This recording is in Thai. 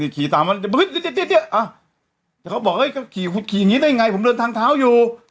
เขาบอกเอ้ยก็กี่พูดขี่อย่างงี้ได้ยังไงผมเดินทางเท้าอยู่